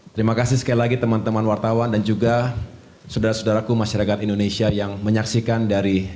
terima kasih sekali lagi teman teman wartawan dan juga saudara saudaraku masyarakat indonesia yang menyaksikan dari